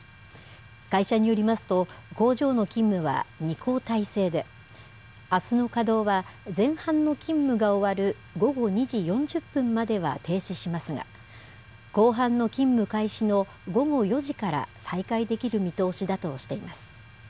会社によりますと、工場の勤務は２交代制で、あすの稼働は前半の勤務が終わる午後２時４０分までは停止しますが、後半の勤務開始の午後４時から、再開できる見通しだとしています。